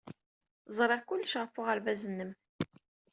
Ẓriɣ kullec ɣef uɣawas-nnem.